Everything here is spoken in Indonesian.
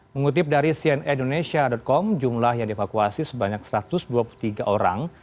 mengutip dari cnindonesia com jumlah yang dievakuasi sebanyak satu ratus dua puluh tiga orang